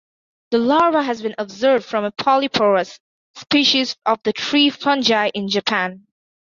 The larva has been observed from "Polyporus" species of tree fungi in Japan.